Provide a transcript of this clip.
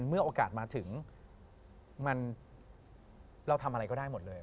เมื่อโอกาสมาถึงเราทำอะไรก็ได้หมดเลย